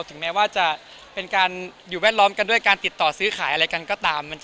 ถึงแม้ว่าจะเป็นการอยู่แวดล้อมกันด้วยการติดต่อซื้อขายอะไรกันก็ตาม